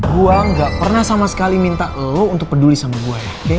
gua gak pernah sama sekali minta lo untuk peduli sama gue